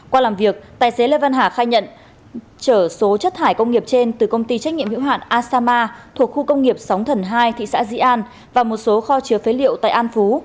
qua làm việc tài xế lê văn hà khai nhận chở số chất thải công nghiệp trên từ công ty trách nhiệm hữu hạn asama thuộc khu công nghiệp sóng thần hai thị xã dĩ an và một số kho chứa phế liệu tại an phú